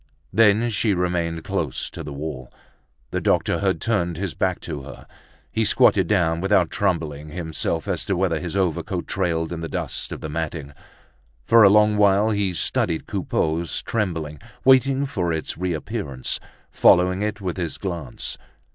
Then she remained close to the wall. The doctor had turned his back to her. He squatted down, without troubling himself as to whether his overcoat trailed in the dust of the matting; for a long while he studied Coupeau's trembling, waiting for its reappearance, following it with his glance.